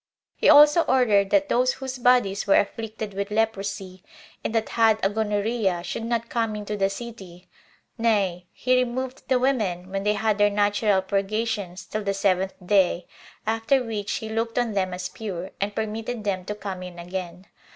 3. He also ordered that those whose bodies were afflicted with leprosy, and that had a gonorrhea, should not come into the city; nay, he removed the women, when they had their natural purgations, till the seventh day; after which he looked on them as pure, and permitted them to come in again.